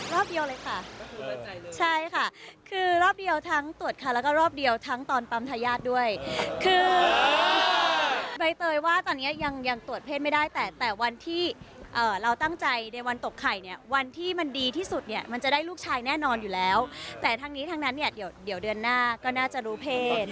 รอบเดียวเลยค่ะใช่ค่ะคือรอบเดียวทั้งตรวจค่ะแล้วก็รอบเดียวทั้งตอนปั๊มทายาทด้วยคือใบเตยว่าตอนนี้ยังยังตรวจเพศไม่ได้แต่แต่วันที่เราตั้งใจในวันตกไข่เนี่ยวันที่มันดีที่สุดเนี่ยมันจะได้ลูกชายแน่นอนอยู่แล้วแต่ทั้งนี้ทั้งนั้นเนี่ยเดี๋ยวเดือนหน้าก็น่าจะรู้เพศ